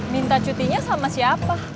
minta cutinya sama siapa